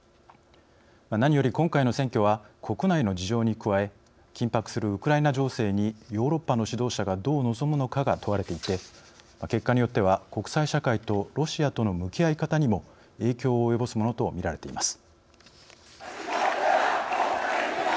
何より今回の選挙は国内の事情に加え緊迫するウクライナ情勢にヨーロッパの指導者がどう臨むのかが問われていて結果によっては、国際社会とロシアとの向き合い方にも影響を及ぼすものと見られています。